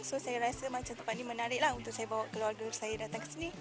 so saya rasa tempat ini menarik lah untuk saya bawa keluarga saya datang kesini